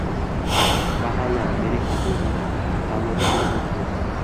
“Mahalla – mening taqdirimda” tanlovi bo‘lib o‘tdi